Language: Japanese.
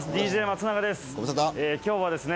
ＤＪ松永です。